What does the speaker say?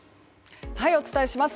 お伝えします。